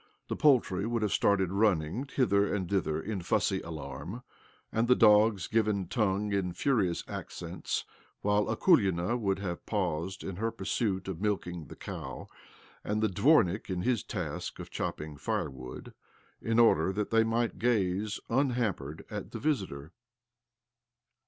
The poultry would have started running hither and thither in fussy alarm, ahd the dogs given tongue in furious accents, while Akulina would have paused in her pursuit of milking the cow, and the dvornik in his task of chopping firewood, in order that they might gaze imhampered at the visitor.